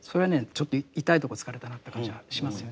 ちょっと痛いとこ突かれたなという感じはしますよね。